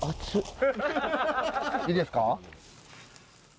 いいですか？